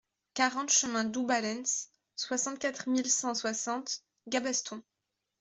quarante chemin Dous Balens, soixante-quatre mille cent soixante Gabaston